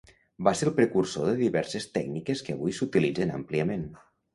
Va ser el precursor de diverses tècniques que avui s'utilitzen àmpliament.